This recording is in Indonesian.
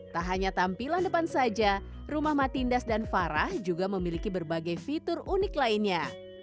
tak hanya tampilan depan saja rumah matindas dan farah juga memiliki berbagai fitur unik lainnya